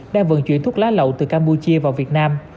đang vận chuyển thuốc lá lậu từ campuchia vào việt nam